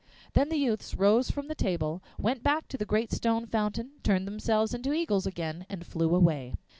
Then the youths rose from the table, went back to the great stone fountain, turned themselves into eagles again, and flew away.